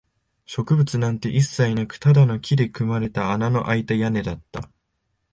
植物なんて一切なく、ただの木で組まれた穴のあいた屋根だった